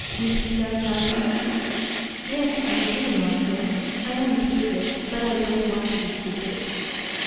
You see that, Diamond?" "Yes, I do, North Wind. I am stupid, but I don't want to be stupid."